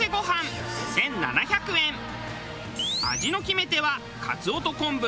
味の決め手は。